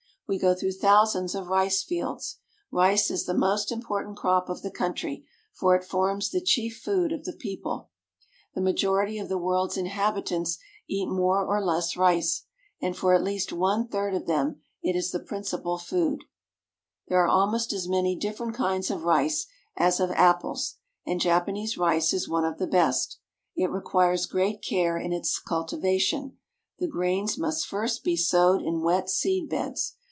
We go through thousands of rice fields. Rice is the most important crop of the country, for it forms the chief food of the people. The JAPANESE FARMS AND FARMERS 83 majority of the world's inhabitants eat more or less rice, and for at least one third of them it is the principal food. "— and set out the young sprouts in the mud." There are almost as many different kinds of rice as of apples, and Japanese rice is one of the best. It requires great care in its cultivation. The grains must first be sowed in wet seed beds.